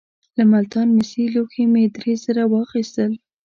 له ملتان مسي لوښي مې درې زره واخیستل.